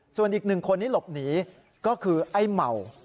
ส่วนอีกหนึ่งคนที่หลบหนีก็คือไอ้เมา